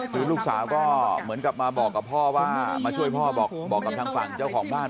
คือลูกสาวก็เหมือนกับมาบอกกับพ่อว่ามาช่วยพ่อบอกกับทางฝั่งเจ้าของบ้าน